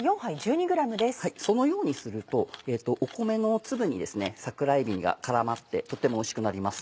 そのようにすると米の粒に桜えびが絡まってとてもおいしくなります。